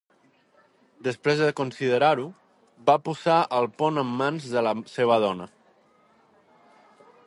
Després de considerar-ho, va posar el punt en mans de la seva dona.